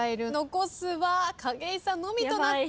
残すは景井さんのみとなっています。